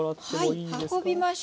運びましょう。